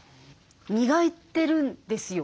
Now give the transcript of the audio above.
磨いてるんですよ。